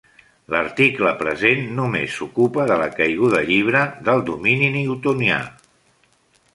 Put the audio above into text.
L'article present només s'ocupa de la caiguda llibre del domini newtonià.